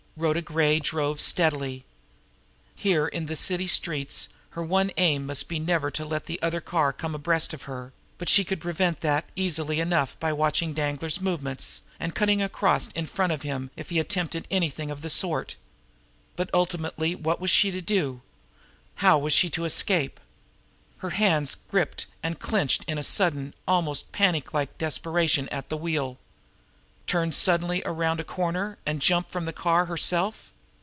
Rhoda Gray drove steadily. Here in the city streets her one aim must be never to let the other car come abreast of her; but she could prevent that easily enough by watching Danglar's movements, and cutting across in front of him if he attempted anything of the sort. But ultimately what was she to do? How was she to escape? Her hands gripped and clenched in a sudden, almost panic like desperation at the wheel. Turn suddenly around a corner, and jump from the car herself?